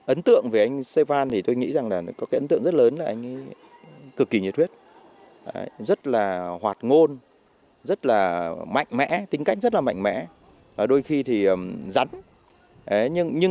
ấn tượng về anh sevan thì tôi nghĩ rằng là có cái ấn tượng rất lớn là anh ấy cực kỳ nhiệt huyết rất là hoạt ngôn rất là mạnh mẽ tính cách rất là mạnh mẽ đôi khi thì rắn